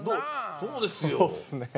そうですね。